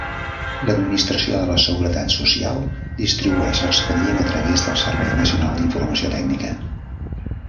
L'administració de la seguretat social distribueix l'expedient a través del servei Nacional d'informació tècnica.